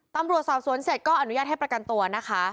ตำรวจสอบสวนเสร็จก็อนุญาตให้ประกันตัวนะคะ